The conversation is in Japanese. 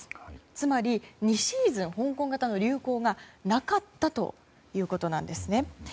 つまり、２シーズン香港型の流行がなかったということなんですね。